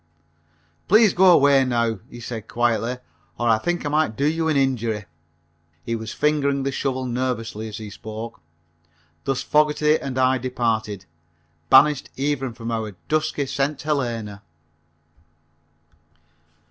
"Please go away now," he said quietly, "or I think I might do you an injury." He was fingering the shovel nervously as he spoke. Thus Fogerty and I departed, banished even from our dusky St. Helena.